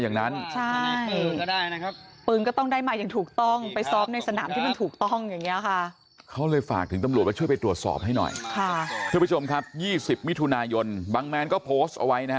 อย่างนั้นปืนก็ต้องได้มาอย่างถูกต้องแล้วจะในสนามส